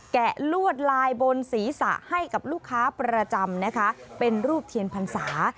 แกะลวดลายบนศีรษะให้กับลูกค้าประจำนะคะเป็นรูปเทียนพรรษา